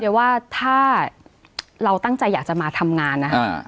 ว่าถ้าเราตั้งใจอยากจะมาทำงานนะครับ